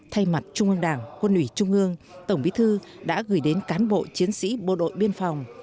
thay mặt trung ương đảng quân ủy trung ương tổng bí thư đã gửi đến cán bộ chiến sĩ bộ đội biên phòng